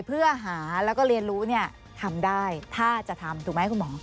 เพื่อหาแล้วก็เรียนรู้เนี่ยทำได้ถ้าจะทำถูกไหมคุณหมอ